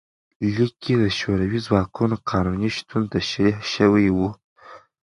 لیک کې د شوروي ځواکونو قانوني شتون تشریح شوی و.